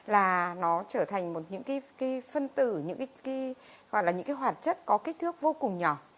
là nó trở thành một những cái phân tử những cái hoạt chất có kích thước vô cùng nhỏ